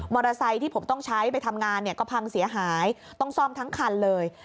มอเตอร์ไซต์ที่ผมต้องใช้ไปทำงานก็พังเสียหายต้องซ่อมทั้งคันเลย